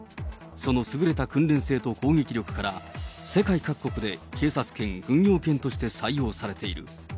その優れた訓練性と攻撃力から、世界各国で警察犬、軍用犬として採用されている。